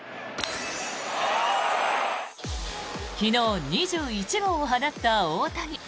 昨日、２１号を放った大谷。